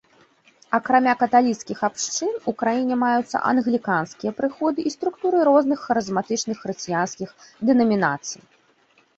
Акрамя каталіцкіх абшчын у краіне маюцца англіканскія прыходы і структуры розных харызматычных хрысціянскіх дэнамінацый.